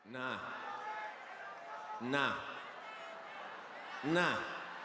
nah nah nah